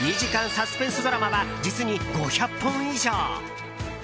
サスペンスドラマは実に５００本以上。